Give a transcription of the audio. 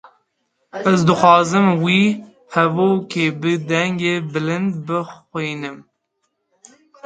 Ez dixwazim vê hevokê bi dengê bilind bixwînim